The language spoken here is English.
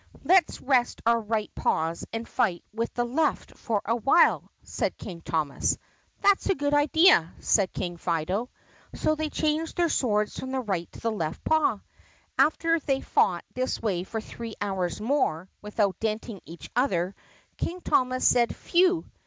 "Let 's rest our right paws and fight with the left for a while," said King Thomas. "That 's a good idea," said King Fido. So they changed their swords from the right to the left paw. After they had fought this way for three hours more without denting each other, King Thomas said, "Phew!